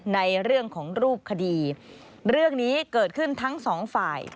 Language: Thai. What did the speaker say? ในเรื่องของรูปคดีเรื่องนี้เกิดขึ้นทั้งสองฝ่าย